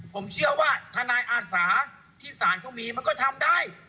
ผมเชื่อว่าทนายอาสาที่ศาลเขามีมันก็ทำได้